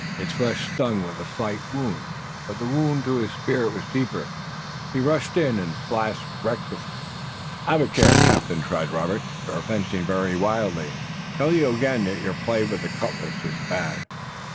His flesh stung with a slight wound, but the wound to his spirit was deeper. He rushed in and slashed recklessly. "Have a care, captain!" cried Robert. "You are fencing very wildly! I tell you again that your play with the cutlass is bad.